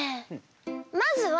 まずは。